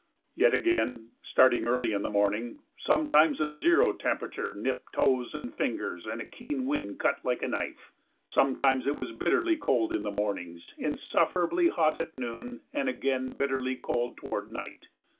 Yet again, starting early in the morning, sometimes a zero temperature nipped toes and fingers and a keen wind cut like a knife. Sometimes it was bitterly cold in the mornings, insufferably hot at noon, and again bitterly cold toward night.